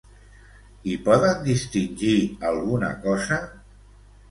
I poden distingir alguna cosa?